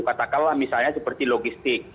katakanlah misalnya seperti logistik